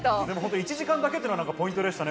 １時間だけというのはポイントでしたね。